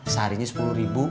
seharinya sepuluh ribu